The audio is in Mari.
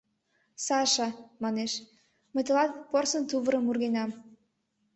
— Саша, — манеш, — мый тылат порсын тувырым ургенам...